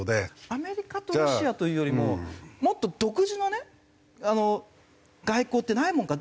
アメリカとロシアというよりももっと独自のね外交ってないものか？